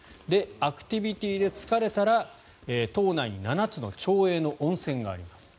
アクティビティーで疲れたら島内に７つの町営の温泉があります。